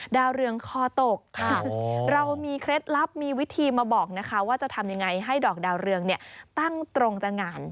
ดาวเรืองคอตกค่ะเรามีเคล็ดลับมีวิธีมาบอกนะคะว่าจะทำยังไงให้ดอกดาวเรืองตั้งตรงจากงาน